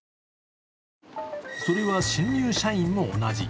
それは新入社員も同じ。